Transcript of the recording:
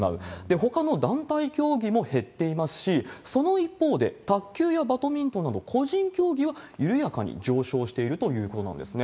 ほかの団体競技も減っていますし、その一方で卓球やバドミントンなど、個人競技は緩やかに上昇しているということなんですね。